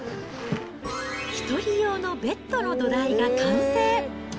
１人用のベッドの土台が完成。